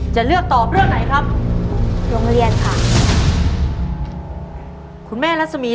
จะเลือกตอบเรื่องไหนครับโรงเรียนค่ะคุณแม่รัศมี